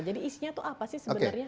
jadi isinya itu apa sih sebenarnya